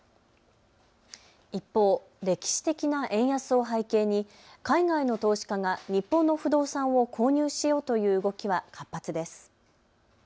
一方、歴史的な円安を背景に海外の投資家が日本の不動産を購入しようという動きは活発です。